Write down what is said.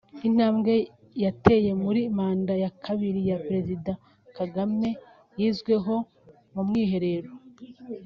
Intambwe yatewe muri manda ya Kabiri ya Perezida Kagame yizweho mu Mwiherero